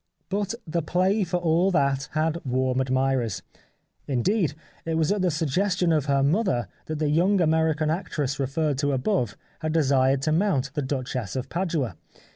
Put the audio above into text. But the play for all that had warm admirers. Indeed, it was at the suggestion of her mother that the young Ameri can actress referred to above had desired to mount the " Duchess of Padua."